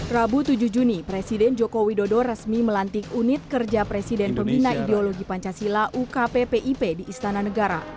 rabu tujuh juni presiden joko widodo resmi melantik unit kerja presiden pembina ideologi pancasila ukppip di istana negara